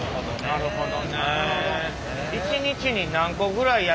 なるほど。